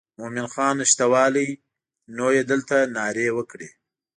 مومن خان نشتوالی نو یې دلته نارې وکړې.